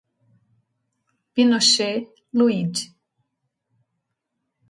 Pinochet, Luide